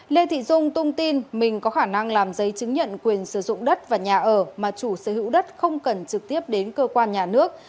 lê thị dung tung tin mình có khả năng làm giấy chứng nhận quyền sử dụng đất và nhà ở mà chủ sở hữu đất không cần trực tiếp đến cơ quan nhà nước